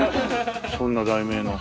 そんな題名の。